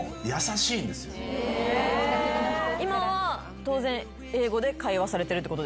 今は当然英語で会話されてるってことですよね？